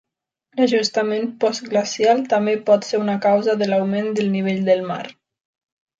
L'ajustament postglacial també pot ser una causa de l'augment del nivell del mar.